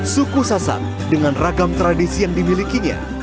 suku sasak dengan ragam tradisi yang dimilikinya